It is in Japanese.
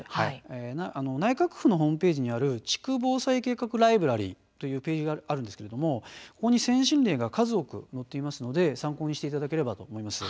内閣府のホームページにある「地区防災計画ライブラリ」というページに、先進例が数多く載っていますので参考にしていただければと思います。